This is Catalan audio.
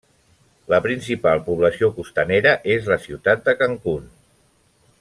La principal població costanera és la ciutat de Cancun.